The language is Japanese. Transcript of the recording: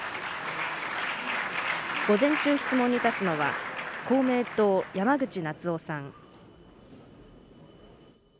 午前中、質問に立つのは公明党、山口那津男さん。